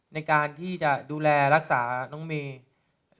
ในการที่จะดูแลรักษาน้องเมย์